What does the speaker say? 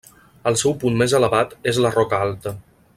El seu punt més elevat és la Roca Alta.